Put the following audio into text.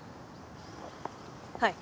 はい。